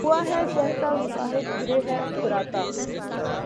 ہوا ہے شہہ کا مصاحب پھرے ہے اتراتا